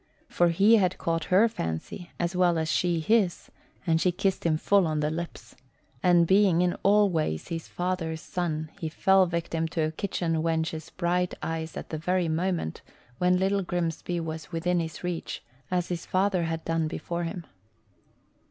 For he had caught her fancy as well as she his and she kissed him full on the lips; and being in all ways his father's son, he fell victim to a kitchen wench's bright eyes at the very moment when Little Grimsby was within his reach, as has father had done before him.